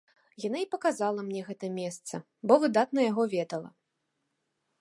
Яна і паказала мне гэта месца, бо выдатна яго ведала.